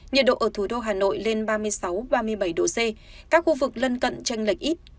nhiệt độ ở thủ đô hà nội lên ba mươi sáu ba mươi bảy độ c các khu vực lân cận tranh lệch ít